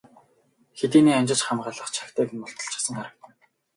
Хэдийнээ амжиж хамгаалах чагтыг нь мулталчихсан харагдана.